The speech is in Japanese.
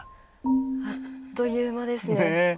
あっという間ですね。